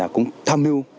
cũng tham mưu